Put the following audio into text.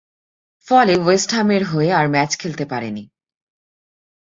ফলে ওয়েস্ট হামের হয়ে আর ম্যাচ খেলতে পারেনি।